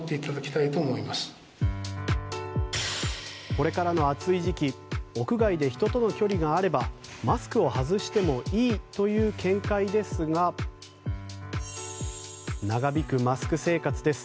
これからの暑い時期屋外で人との距離があればマスクを外してもいいという見解ですが長引くマスク生活です。